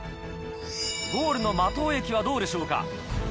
ゴールの間藤駅はどうでしょうか？